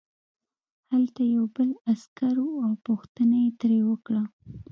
هلته یو بل عسکر و او پوښتنه یې ترې وکړه